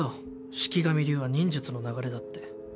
四鬼神流は忍術の流れだって。